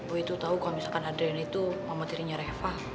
boy tuh tau kalo misalkan adriana tuh sama tirinya reva